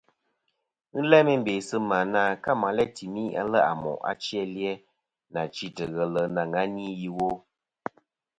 Ghɨ n-læ meyn bè sɨ̂ mà na ka mà læ̂ tìmi aleʼ à mòʼ achi a li-a, nà chîtɨ̀ ghelɨ na ghɨ ni iwo.